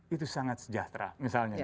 itu sangat sejahtera misalnya